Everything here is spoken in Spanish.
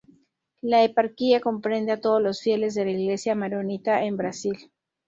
La eparquía comprende a todos los fieles de la Iglesia maronita en Brasil.